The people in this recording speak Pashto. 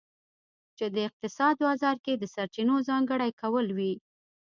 چې د اقتصاد بازار کې د سرچینو ځانګړي کول وي.